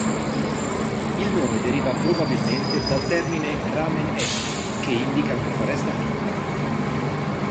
Il nome deriva probabilmente dal termine "ramen'e", che indica una foresta fitta.